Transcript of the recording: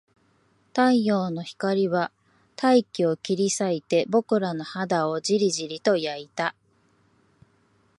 太陽の光は大気を切り裂いて、僕らの肌をじりじりと焼いた